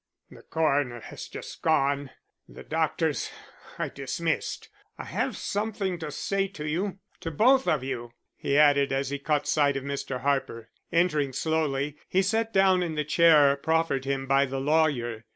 "The coroner has just gone. The doctors I dismissed. I have something to say to you to both of you," he added as he caught sight of Mr. Harper. Entering slowly, he sat down in the chair proffered him by the lawyer.